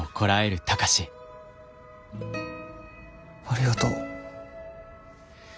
ありがとう。